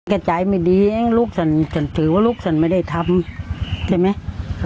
ใจไม่ดีเองลูกฉันฉันถือว่าลูกฉันไม่ได้ทำใช่ไหม